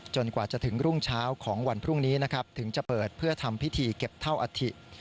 กว่าจะถึงรุ่งเช้าของวันพรุ่งนี้นะครับถึงจะเปิดเพื่อทำพิธีเก็บเท่าอัฐิ